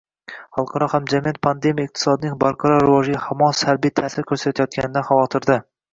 Xalqaro hamjamiyat pandemiya iqtisodning barqaror rivojiga hamon salbiy ta’sir ko‘rsatayotganidan xavotirdang